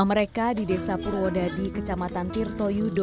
terhadap orang tua ini dalam kisah awasi caplnula dipol